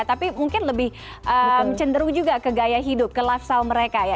tapi mungkin lebih cenderung juga ke gaya hidup ke lifestyle mereka ya